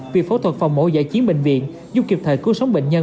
việc phẫu thuật phòng mổ giải chiến bệnh viện giúp kịp thời cứu sống bệnh nhân